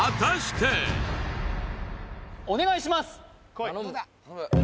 お願いします！